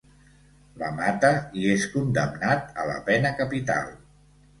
La mata i és condemnat a la pena capital.